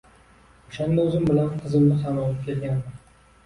O`shanda o`zim bilan qizimni ham olib kelgandim